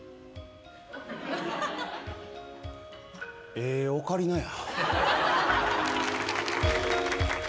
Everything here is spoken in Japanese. ええオカリナや。